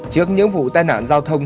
trước những vụ tai nạn giao thông